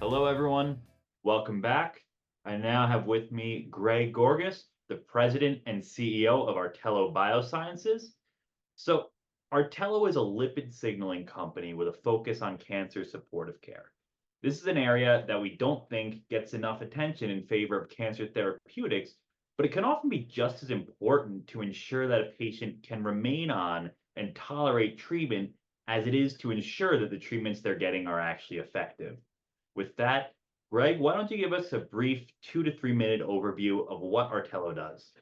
Hello, everyone. Welcome back. I now have with me Greg Gorgas, the President and CEO of Artelo Biosciences. So Artelo is a lipid signaling company with a focus on cancer supportive care. This is an area that we don't think gets enough attention in favor of cancer therapeutics, but it can often be just as important to ensure that a patient can remain on and tolerate treatment as it is to ensure that the treatments they're getting are actually effective. With that, Greg, why don't you give us a brief two to three-minute overview of what Artelo does?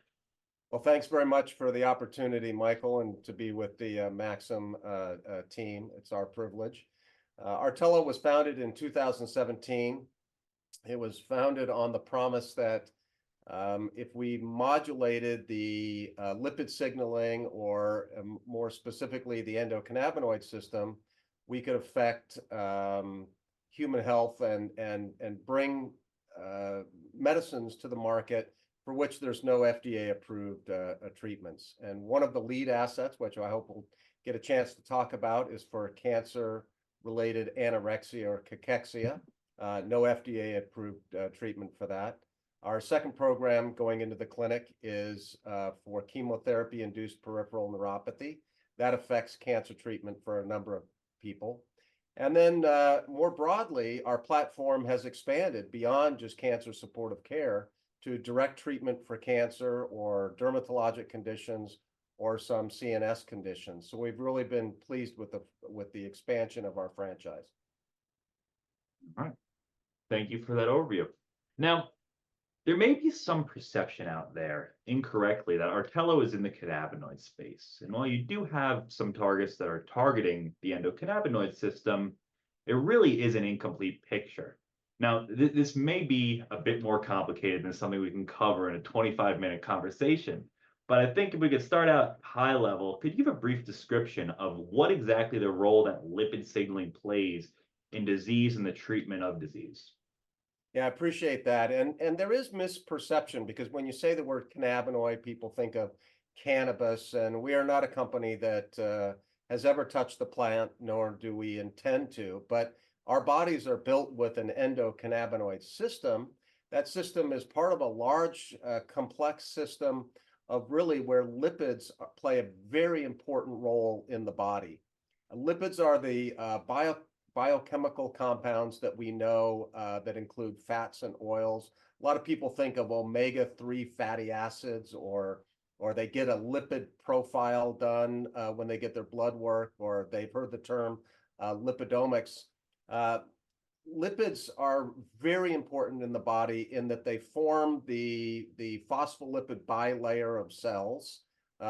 Thanks very much for the opportunity, Michael, and to be with the Maxim team. It's our privilege. Artelo was founded in 2017. It was founded on the promise that if we modulated the lipid signaling, or more specifically, the endocannabinoid system, we could affect human health and bring medicines to the market for which there's no FDA-approved treatments. And one of the lead assets, which I hope we'll get a chance to talk about, is for cancer-related anorexia or cachexia. No FDA-approved treatment for that. Our second program going into the clinic is for chemotherapy-induced peripheral neuropathy. That affects cancer treatment for a number of people. And then, more broadly, our platform has expanded beyond just cancer supportive care to direct treatment for cancer or dermatologic conditions or some CNS conditions, so we've really been pleased with the expansion of our franchise. All right. Thank you for that overview. Now, there may be some perception out there incorrectly that Artelo is in the cannabinoid space, and while you do have some targets that are targeting the endocannabinoid system, it really is an incomplete picture. Now, this may be a bit more complicated than something we can cover in a 25-minute conversation, but I think if we could start out high level, could you give a brief description of what exactly the role that lipid signaling plays in disease and the treatment of disease? Yeah, I appreciate that, and there is misperception because when you say the word cannabinoid, people think of cannabis, and we are not a company that has ever touched the plant, nor do we intend to. But our bodies are built with an endocannabinoid system. That system is part of a large, complex system of really where lipids play a very important role in the body. Lipids are the biochemical compounds that we know that include fats and oils. A lot of people think of omega-3 fatty acids, or they get a lipid profile done when they get their blood work, or they've heard the term lipidomics. Lipids are very important in the body in that they form the phospholipid bilayer of cells.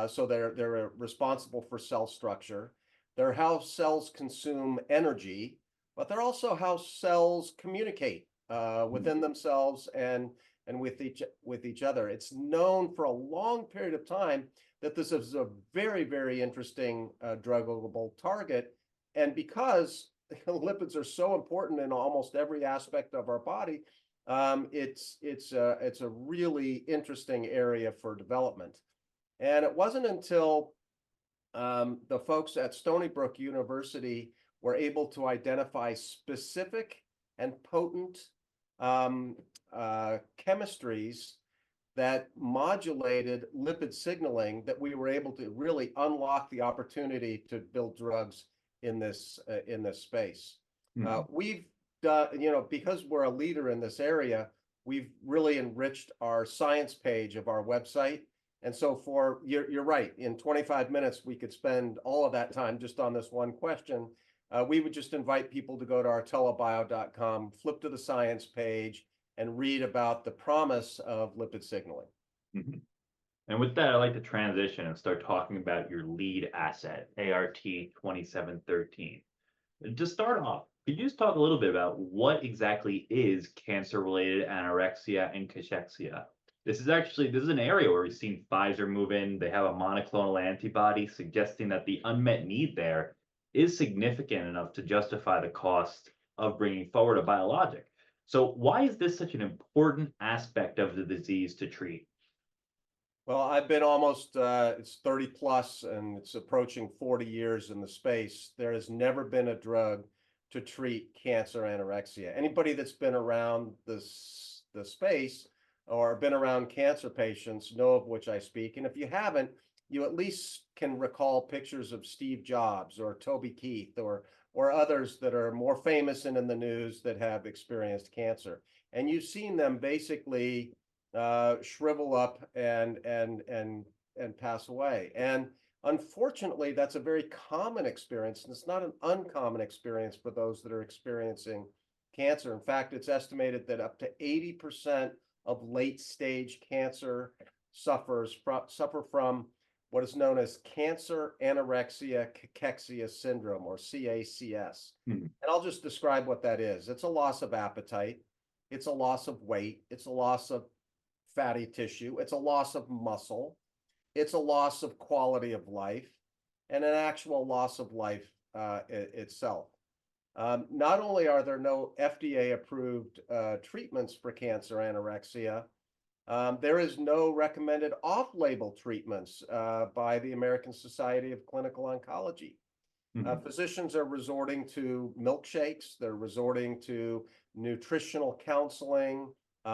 So they're responsible for cell structure. They're how cells consume energy, but they're also how cells communicate. Mm-hmm... within themselves and with each other. It's known for a long period of time that this is a very, very interesting druggable target, and because lipids are so important in almost every aspect of our body, it's a really interesting area for development and it wasn't until the folks at Stony Brook University were able to identify specific and potent chemistries that modulated lipid signaling that we were able to really unlock the opportunity to build drugs in this space. Mm-hmm. Now, we've done. You know, because we're a leader in this area, we've really enriched our science page of our website, and so for. You're right. In 25 minutes, we could spend all of that time just on this one question. We would just invite people to go to artelobio.com, flip to the Science page, and read about the promise of lipid signaling. Mm-hmm. And with that, I'd like to transition and start talking about your lead asset, ART-2713. To start off, could you just talk a little bit about what exactly is cancer-related anorexia and cachexia? This is actually an area where we've seen Pfizer move in. They have a monoclonal antibody, suggesting that the unmet need there is significant enough to justify the cost of bringing forward a biologic. So why is this such an important aspect of the disease to treat? I've been almost, it's 30-plus, and it's approaching 40 years in the space. There has never been a drug to treat cancer anorexia. Anybody that's been around this, the space or been around cancer patients know of which I speak, and if you haven't, you at least can recall pictures of Steve Jobs or Toby Keith or others that are more famous and in the news that have experienced cancer, and you've seen them basically shrivel up and pass away. Unfortunately, that's a very common experience, and it's not an uncommon experience for those that are experiencing cancer. In fact, it's estimated that up to 80% of late-stage cancer sufferers suffer from what is known as cancer anorexia-cachexia syndrome, or CACS. Mm-hmm. I'll just describe what that is. It's a loss of appetite. It's a loss of weight. It's a loss of fatty tissue. It's a loss of muscle. It's a loss of quality of life and an actual loss of life itself. Not only are there no FDA-approved treatments for cancer anorexia, there is no recommended off-label treatments by the American Society of Clinical Oncology. Mm-hmm. Physicians are resorting to milkshakes. They're resorting to nutritional counseling,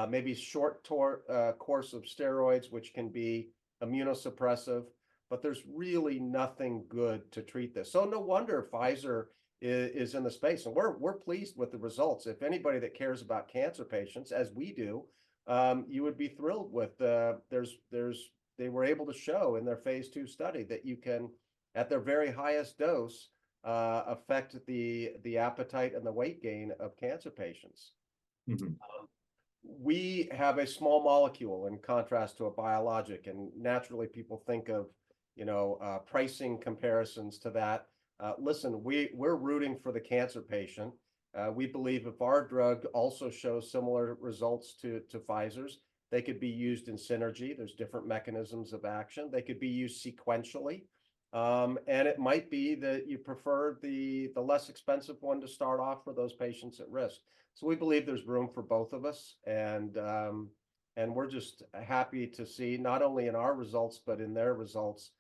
maybe short course of steroids, which can be immunosuppressive, but there's really nothing good to treat this. So no wonder Pfizer is in the space, and we're pleased with the results. If anybody that cares about cancer patients, as we do, you would be thrilled with... They were able to show in their phase II study that you can, at their very highest dose, affect the appetite and the weight gain of cancer patients. Mm-hmm. We have a small molecule, in contrast to a biologic, and naturally people think of, you know, pricing comparisons to that. Listen, we're rooting for the cancer patient. We believe if our drug also shows similar results to Pfizer's, they could be used in synergy. There are different mechanisms of action. They could be used sequentially, and it might be that you prefer the less expensive one to start off for those patients at risk. So we believe there's room for both of us, and we're just happy to see, not only in our results, but in their results,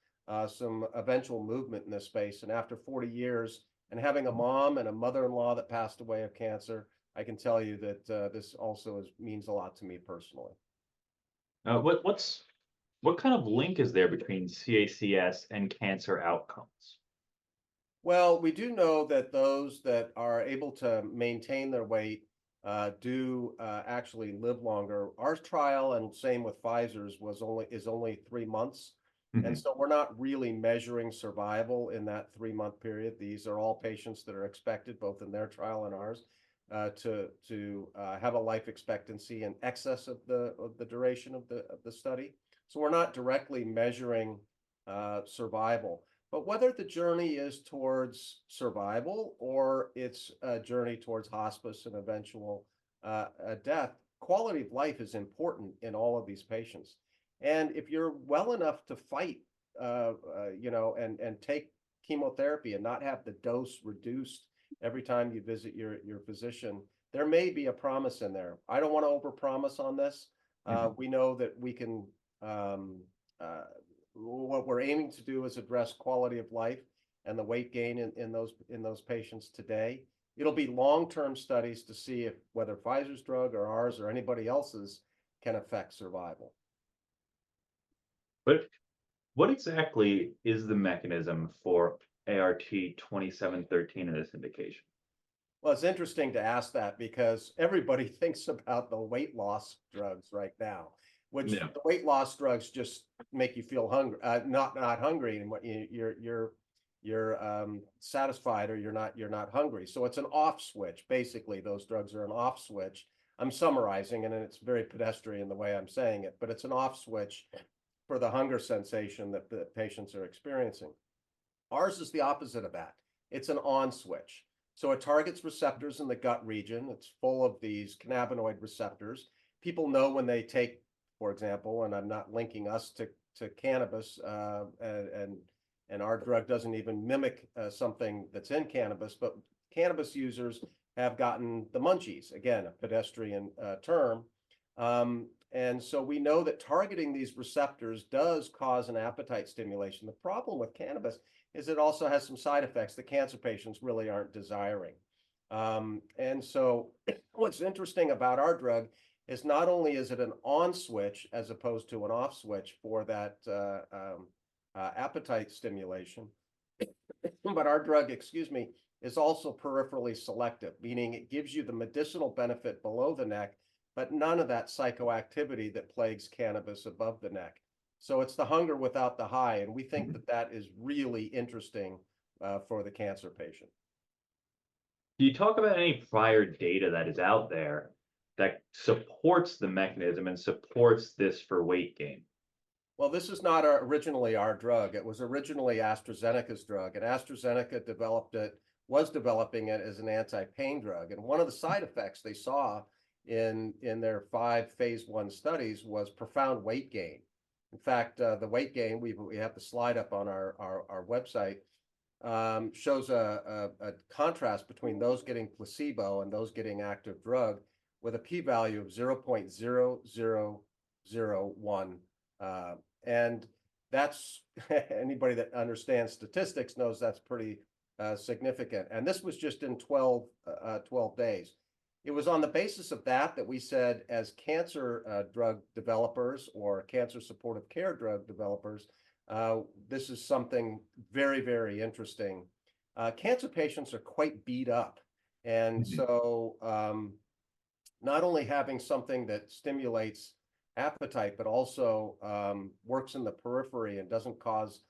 some eventual movement in this space, and after 40 years, and having a mom and a mother-in-law that passed away of cancer, I can tell you that this also means a lot to me personally. What kind of link is there between CACS and cancer outcomes? We do know that those that are able to maintain their weight do actually live longer. Our trial, and same with Pfizer's, is only three months. Mm-hmm. We're not really measuring survival in that three-month period. These are all patients that are expected, both in their trial and ours, to have a life expectancy in excess of the duration of the study. We're not directly measuring survival. Whether the journey is towards survival or it's a journey towards hospice and eventual death, quality of life is important in all of these patients, and if you're well enough to fight, you know, and take chemotherapy and not have the dose reduced every time you visit your physician, there may be a promise in there. I don't want to overpromise on this. Mm-hmm. What we're aiming to do is address quality of life and the weight gain in those patients today. It'll be long-term studies to see whether Pfizer's drug or ours or anybody else's can affect survival. But what exactly is the mechanism for ART-2713 in this indication? It's interesting to ask that because everybody thinks about the weight loss drugs right now. Yeah. With the weight loss drugs just make you feel not hungry, and you're satisfied, or you're not hungry. So it's an off switch. Basically, those drugs are an off switch. I'm summarizing, and then it's very pedestrian the way I'm saying it, but it's an off switch for the hunger sensation that the patients are experiencing. Ours is the opposite of that. It's an on switch. So it targets receptors in the gut region. It's full of these cannabinoid receptors. People know when they take, for example, and I'm not linking us to cannabis, and our drug doesn't even mimic something that's in cannabis, but cannabis users have gotten the munchies, again, a pedestrian term. And so we know that targeting these receptors does cause an appetite stimulation. The problem with cannabis is it also has some side effects that cancer patients really aren't desiring, and so what's interesting about our drug is not only is it an on switch as opposed to an off switch for that appetite stimulation, but our drug, excuse me, is also peripherally selective, meaning it gives you the medicinal benefit below the neck, but none of that psychoactivity that plagues cannabis above the neck, so it's the hunger without the high, and we- Mm... think that that is really interesting, for the cancer patient. Do you talk about any prior data that is out there that supports the mechanism and supports this for weight gain? This is not originally our drug. It was originally AstraZeneca's drug, and AstraZeneca developed it, was developing it as an anti-pain drug, and one of the side effects they saw in their five Phase I studies was profound weight gain. In fact, the weight gain, we have the slide up on our website, shows a contrast between those getting placebo and those getting active drug with a p-value of 0.0001, and that's anybody that understands statistics knows that's pretty significant, and this was just in 12 days. It was on the basis of that we said, as cancer drug developers or cancer supportive care drug developers, this is something very, very interesting. Cancer patients are quite beat up. Mm-hmm. And so, not only having something that stimulates appetite but also works in the periphery and doesn't cause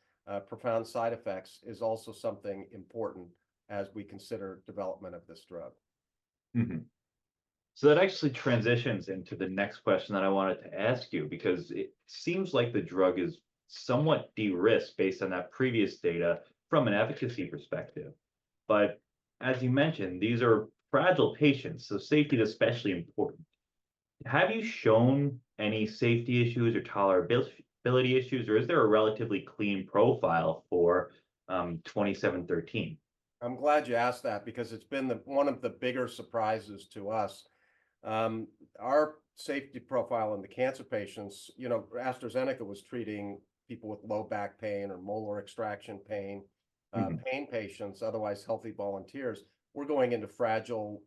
profound side effects is also something important as we consider development of this drug. Mm-hmm. So that actually transitions into the next question that I wanted to ask you because it seems like the drug is somewhat de-risked based on that previous data from an efficacy perspective. But as you mentioned, these are fragile patients, so safety is especially important. Have you shown any safety issues or tolerability issues, or is there a relatively clean profile for ART-2713? I'm glad you asked that, because it's been the one of the bigger surprises to us. Our safety profile in the cancer patients, you know, AstraZeneca was treating people with low back pain or molar extraction pain. Mm-hmm... pain patients, otherwise healthy volunteers. We're going into fragile,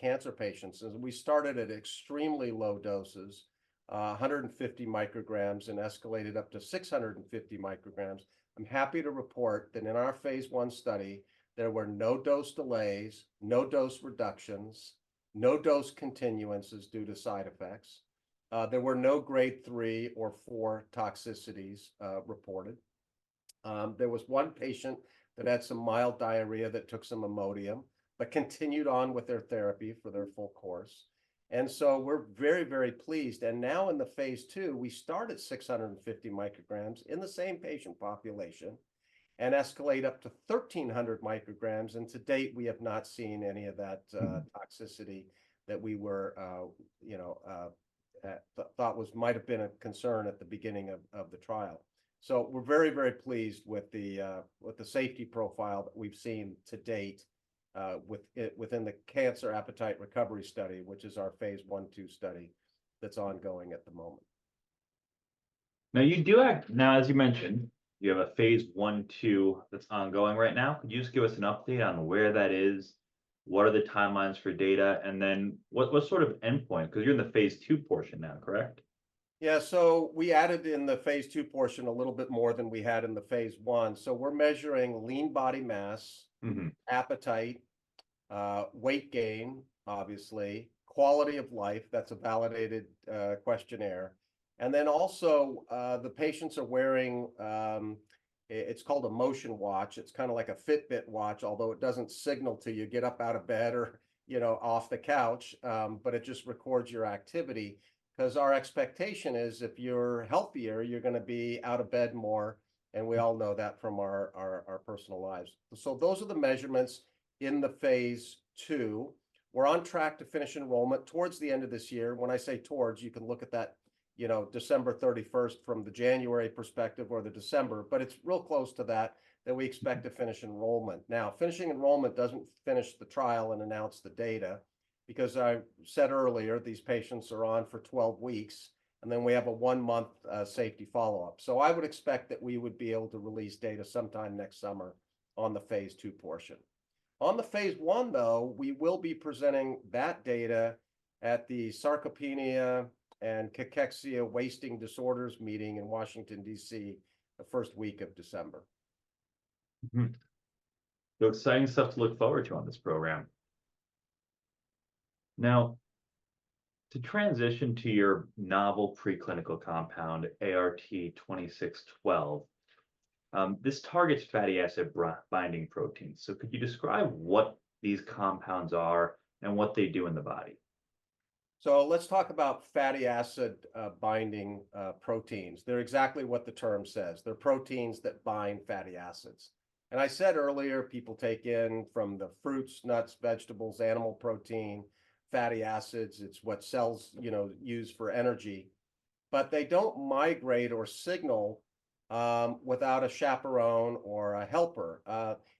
cancer patients. And we started at extremely low doses, 150 micrograms, and escalated up to 650 micrograms. I'm happy to report that in our phase II study, there were no dose delays, no dose reductions, no dose continuances due to side effects. There were no grade three or four toxicities reported. There was one patient that had some mild diarrhea that took some Imodium, but continued on with their therapy for their full course, and so we're very, very pleased. And now in the phase II, we start at 650 micrograms in the same patient population, and escalate up to 1,300 micrograms, and to date, we have not seen any of that. Mm... toxicity that we were, you know, thought might have been a concern at the beginning of the trial. So we're very, very pleased with the safety profile that we've seen to date with it within the Cancer Appetite Recovery Study, which is our phase I/II study that's ongoing at the moment. Now, as you mentioned, you have a phase I/II that's ongoing right now. Could you just give us an update on where that is? What are the timelines for data, and then what sort of endpoint? 'Cause you're in the phase II portion now, correct? Yeah, so we added in the phase II portion a little bit more than we had in the phase I. So we're measuring lean body mass- Mm-hmm... appetite, weight gain, obviously, quality of life, that's a validated questionnaire, and then also, the patients are wearing, it's called a MotionWatch. It's kind of like a Fitbit watch, although it doesn't signal to you, "Get up out of bed," or, you know, "Off the couch," but it just records your activity. 'Cause our expectation is if you're healthier, you're gonna be out of bed more, and we all know that from our personal lives. So those are the measurements in the phase II. We're on track to finish enrollment towards the end of this year. When I say towards, you can look at that, you know, December 31st from the January perspective or the December, but it's real close to that we expect- Mm... to finish enrollment. Now, finishing enrollment doesn't finish the trial and announce the data, because I said earlier, these patients are on for 12 weeks, and then we have a one-month safety follow-up. So I would expect that we would be able to release data sometime next summer on the phase II portion. On the phase I, though, we will be presenting that data at the Sarcopenia and Cachexia Wasting Disorders meeting in Washington, DC, the first week of December. Mm-hmm. So exciting stuff to look forward to on this program. Now, to transition to your novel preclinical compound, ART-2612, this targets fatty acid-binding proteins. So could you describe what these compounds are and what they do in the body? So let's talk about fatty acid-binding proteins. They're exactly what the term says. They're proteins that bind fatty acids. And I said earlier, people take in from the fruits, nuts, vegetables, animal protein, fatty acids, it's what cells, you know, use for energy. But they don't migrate or signal without a chaperone or a helper.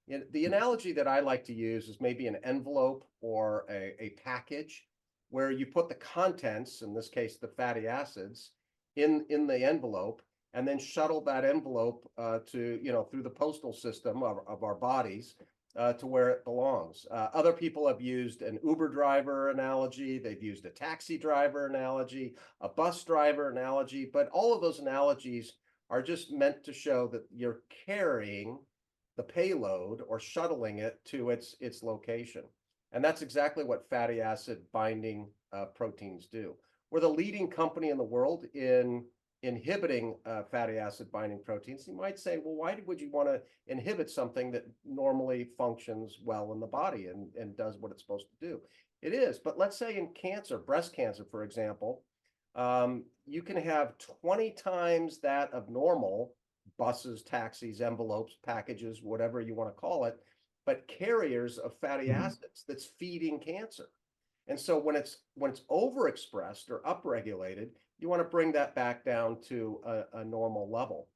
And the analogy that I like to use is maybe an envelope or a package, where you put the contents, in this case, the fatty acids, in the envelope, and then shuttle that envelope to, you know, through the postal system of our bodies to where it belongs. Other people have used an Uber driver analogy. They've used a taxi driver analogy, a bus driver analogy, but all of those analogies are just meant to show that you're carrying the payload or shuttling it to its, its location, and that's exactly what fatty acid-binding proteins do. We're the leading company in the world in inhibiting fatty acid-binding proteins. You might say, "Well, why would you wanna inhibit something that normally functions well in the body and, and does what it's supposed to do?" It is, but let's say in cancer, breast cancer, for example, you can have 20 times that of normal buses, taxis, envelopes, packages, whatever you wanna call it, but carriers of fatty acids- Mm... that's feeding cancer. And so when it's overexpressed or upregulated, you wanna bring that back down to a normal level.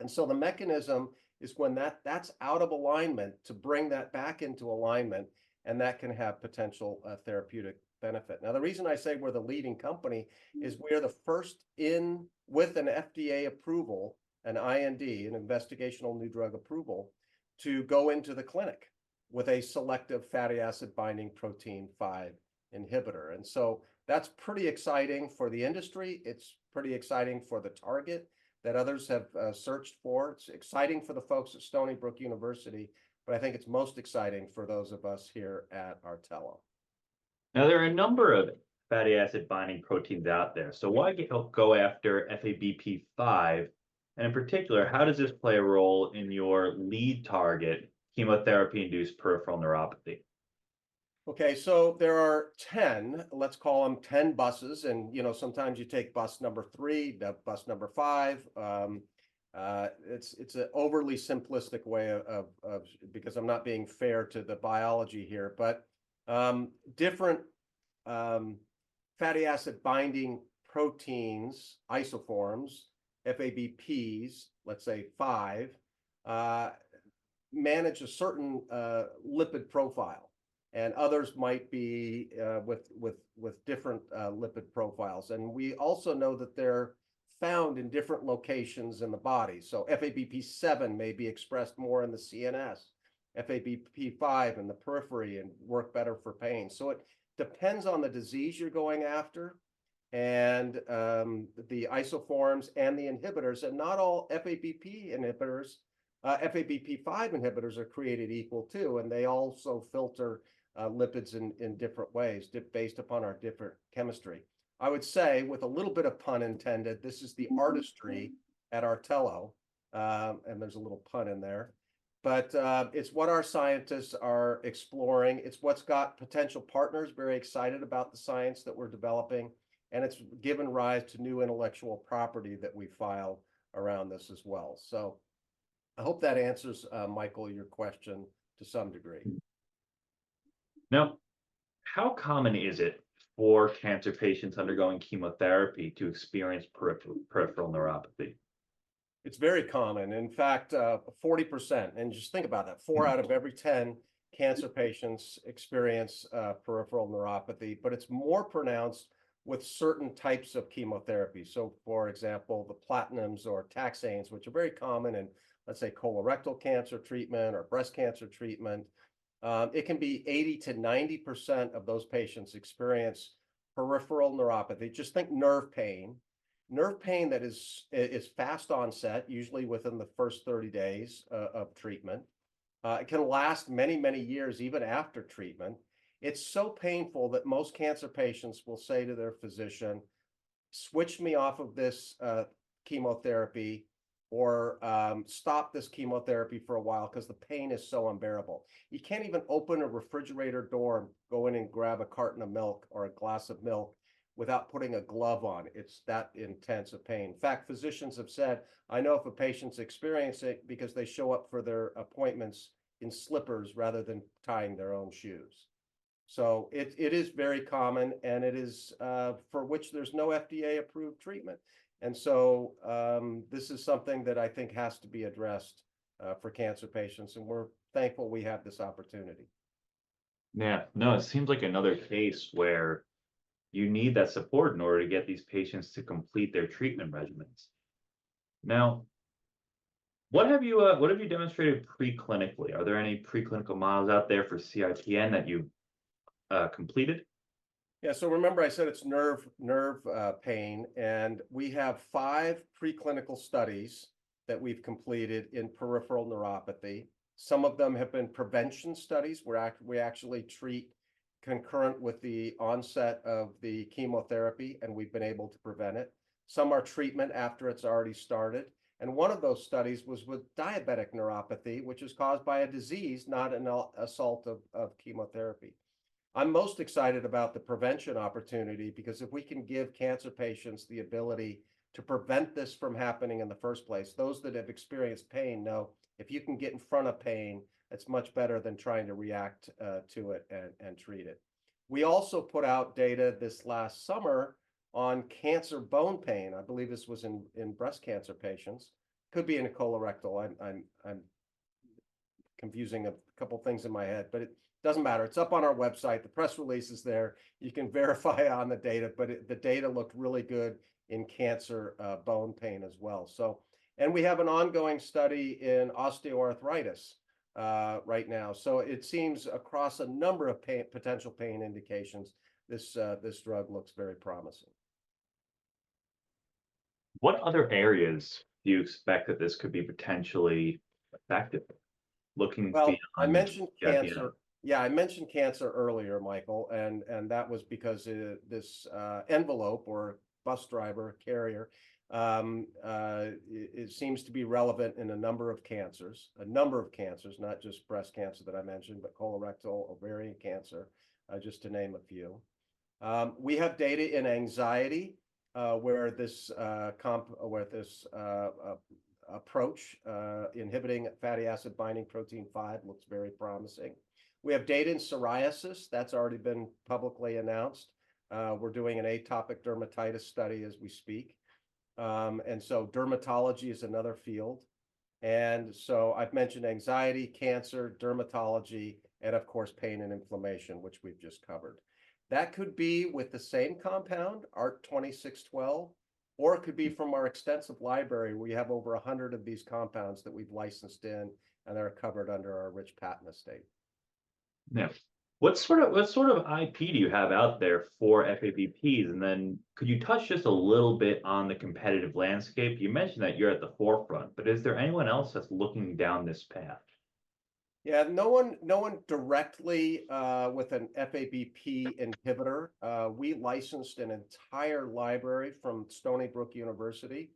And so the mechanism is when that's out of alignment, to bring that back into alignment, and that can have potential therapeutic benefit. Now, the reason I say we're the leading company is we're the first in with an FDA approval, an IND, an investigational new drug approval, to go into the clinic with a selective fatty acid-binding protein 5 inhibitor. And so that's pretty exciting for the industry. It's pretty exciting for the target that others have searched for. It's exciting for the folks at Stony Brook University, but I think it's most exciting for those of us here at Artelo. Now, there are a number of fatty acid-binding proteins out there. Mm. So why go after FABP5, and in particular, how does this play a role in your lead target, chemotherapy-induced peripheral neuropathy? Okay, so there are 10, let's call them 10 buses, and, you know, sometimes you take bus number three, the bus number five. It's a overly simplistic way of... Because I'm not being fair to the biology here. But different fatty acid-binding proteins, isoforms, FABPs, let's say five, manage a certain lipid profile, and others might be with different lipid profiles. And we also know that they're found in different locations in the body. So FABP7 may be expressed more in the CNS, FABP5 in the periphery and work better for pain. So it depends on the disease you're going after, and the isoforms and the inhibitors. And not all FABP inhibitors, FABP5 inhibitors are created equal, too, and they also filter lipids in different ways based upon our different chemistry. I would say, with a little bit of pun intended, this is the artistry at Artelo, and there's a little pun in there, but, it's what our scientists are exploring. It's what's got potential partners very excited about the science that we're developing, and it's given rise to new intellectual property that we've filed around this as well. So I hope that answers, Michael, your question to some degree. Now, how common is it for cancer patients undergoing chemotherapy to experience peripheral neuropathy? It's very common. In fact, 40%, and just think about that, four out of every 10 cancer patients experience peripheral neuropathy, but it's more pronounced with certain types of chemotherapy, so for example, the platinums or taxanes, which are very common in, let's say, colorectal cancer treatment or breast cancer treatment, it can be 80%-90% of those patients experience peripheral neuropathy. Just think nerve pain, nerve pain that is fast onset, usually within the first 30 days of treatment. It can last many, many years, even after treatment. It's so painful that most cancer patients will say to their physician, "Switch me off of this chemotherapy, or stop this chemotherapy for a while," 'cause the pain is so unbearable. You can't even open a refrigerator door, go in and grab a carton of milk or a glass of milk without putting a glove on. It's that intense a pain. In fact, physicians have said, "I know if a patient's experiencing it, because they show up for their appointments in slippers rather than tying their own shoes," so it is very common, and it is for which there's no FDA-approved treatment, and so this is something that I think has to be addressed for cancer patients, and we're thankful we have this opportunity. Yeah. No, it seems like another case where you need that support in order to get these patients to complete their treatment regimens. Now, what have you demonstrated preclinically? Are there any preclinical models out there for CIPN that you've completed? Yeah, so remember I said it's nerve pain, and we have five preclinical studies that we've completed in peripheral neuropathy. Some of them have been prevention studies, where we actually treat concurrent with the onset of the chemotherapy, and we've been able to prevent it. Some are treatment after it's already started, and one of those studies was with diabetic neuropathy, which is caused by a disease, not an assault of chemotherapy. I'm most excited about the prevention opportunity, because if we can give cancer patients the ability to prevent this from happening in the first place. Those that have experienced pain know if you can get in front of pain, it's much better than trying to react to it and treat it. We also put out data this last summer on cancer bone pain. I believe this was in breast cancer patients. Could be in a colorectal. I'm confusing a couple things in my head, but it doesn't matter. It's up on our website. The press release is there. You can verify on the data, but it... the data looked really good in cancer bone pain as well. So, and we have an ongoing study in osteoarthritis right now. So it seems across a number of potential pain indications, this drug looks very promising. What other areas do you expect that this could be potentially effective, looking beyond cancer? Well, I mentioned cancer. Yeah, I mentioned cancer earlier, Michael, and that was because this envelope or bus driver carrier it seems to be relevant in a number of cancers. A number of cancers, not just breast cancer that I mentioned, but colorectal, ovarian cancer, just to name a few. We have data in anxiety where this approach inhibiting fatty acid-binding protein 5 looks very promising. We have data in psoriasis that's already been publicly announced. We're doing an atopic dermatitis study as we speak. And so dermatology is another field. And so I've mentioned anxiety, cancer, dermatology, and of course, pain and inflammation, which we've just covered. That could be with the same compound, ART-2612, or it could be from our extensive library. We have over 100 of these compounds that we've licensed in and are covered under our rich patent estate. Now, what sort of IP do you have out there for FABPs? And then could you touch just a little bit on the competitive landscape? You mentioned that you're at the forefront, but is there anyone else that's looking down this path? Yeah, no one, no one directly with an FABP inhibitor. We licensed an entire library from Stony Brook University.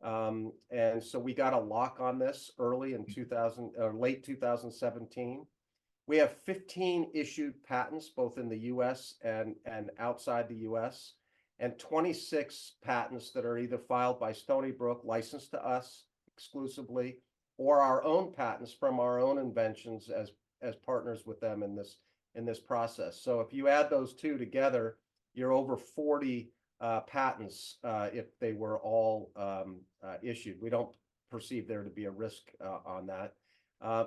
And so we got a lock on this early in 2000- late 2017. We have 15 issued patents, both in the U.S. and outside the U.S. And 26 patents that are either filed by Stony Brook, licensed to us exclusively, or our own patents from our own inventions as partners with them in this process. So if you add those two together, you're over 40 patents if they were all issued. We don't perceive there to be a risk on that.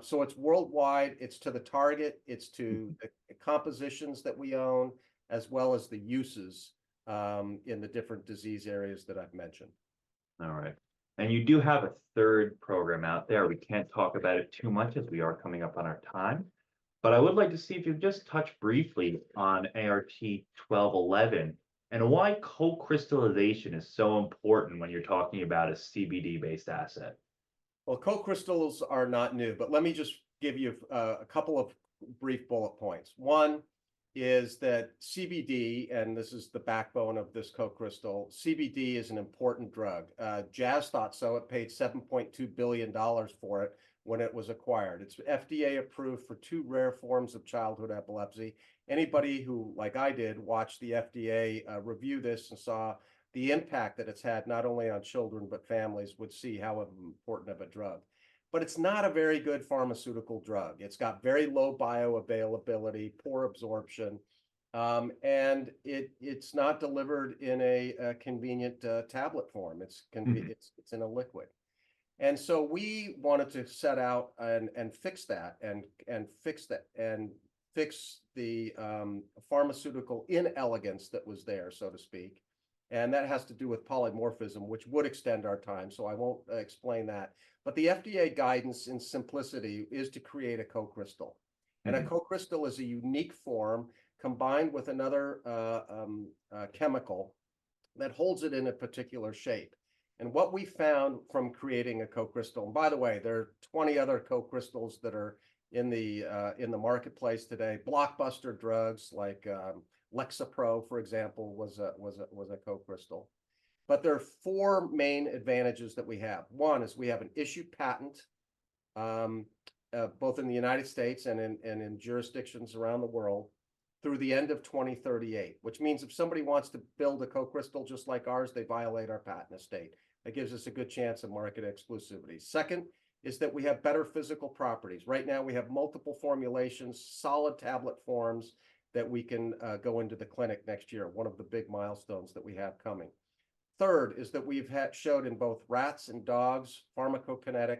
So it's worldwide, it's to the target, it's to the compositions that we own, as well as the uses in the different disease areas that I've mentioned. All right. And you do have a third program out there. We can't talk about it too much, as we are coming up on our time, but I would like to see if you'd just touch briefly on ART-1211, and why co-crystallization is so important when you're talking about a CBD-based asset. Co-crystals are not new, but let me just give you a couple of brief bullet points. One is that CBD, and this is the backbone of this co-crystal, CBD is an important drug. Jazz thought so. It paid $7.2 billion for it when it was acquired. It's FDA-approved for two rare forms of childhood epilepsy. Anybody who, like I did, watched the FDA review this and saw the impact that it's had, not only on children, but families, would see how important of a drug. But it's not a very good pharmaceutical drug. It's got very low bioavailability, poor absorption, and it's not delivered in a convenient tablet form. Mm-hmm. It's in a liquid. We wanted to set out and fix that and fix the pharmaceutical inelegance that was there, so to speak, and that has to do with polymorphism, which would extend our time, so I won't explain that. The FDA guidance in simplicity is to create a co-crystal. Mm. A co-crystal is a unique form combined with another, a chemical that holds it in a particular shape. What we found from creating a co-crystal... By the way, there are 20 other co-crystals that are in the marketplace today. Blockbuster drugs like Lexapro, for example, was a co-crystal. There are four main advantages that we have. One is we have an issued patent both in the United States and in jurisdictions around the world through the end of 2038, which means if somebody wants to build a co-crystal just like ours, they violate our patent estate. That gives us a good chance of market exclusivity. Second is that we have better physical properties. Right now, we have multiple formulations, solid tablet forms, that we can go into the clinic next year, one of the big milestones that we have coming. Third is that we've shown in both rats and dogs, pharmacokinetic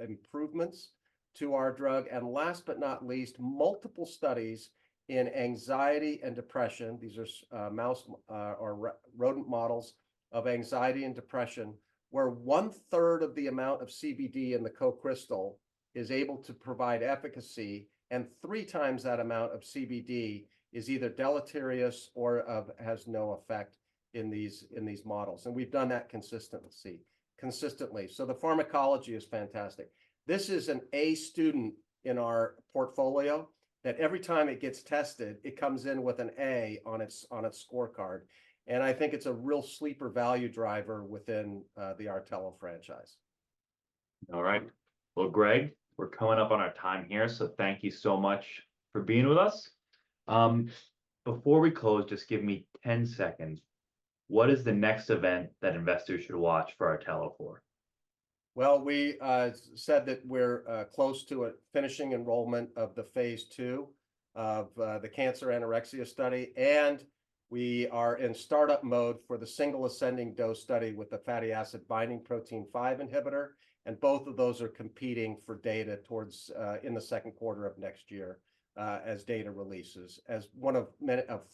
improvements to our drug. And last but not least, multiple studies in anxiety and depression, these are mouse or rodent models of anxiety and depression, where one-third of the amount of CBD in the co-crystal is able to provide efficacy, and three times that amount of CBD is either deleterious or has no effect in these models, and we've done that consistently. So the pharmacology is fantastic. This is an A student in our portfolio, that every time it gets tested, it comes in with an A on its scorecard, and I think it's a real sleeper value driver within the Artelo franchise. All right. Greg, we're coming up on our time here, so thank you so much for being with us. Before we close, just give me 10 seconds. What is the next event that investors should watch for Artelo for? We said that we're close to finishing enrollment of phase II of the cancer anorexia study, and we are in startup mode for the single ascending dose study with the fatty acid-binding protein 5 inhibitor, and both of those are competing for data towards in the second quarter of next year as data releases, as one of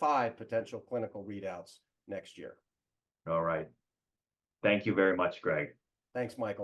five potential clinical readouts next year. All right. Thank you very much, Greg. Thanks, Michael.